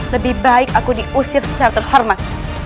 lebih baik aku diusir secara terhormat